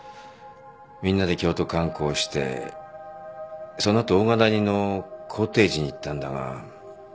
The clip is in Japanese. みんなで京都観光してその後扇ヶ谷のコテージに行ったんだが。